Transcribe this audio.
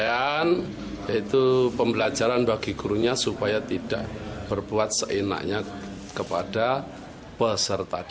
penyelesaian yaitu pembelajaran bagi gurunya supaya tidak berbuat seenaknya kepada peserta didik